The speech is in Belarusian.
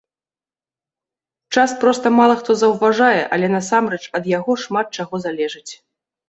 Час проста мала хто заўважае, але насамрэч ад яго шмат чаго залежыць.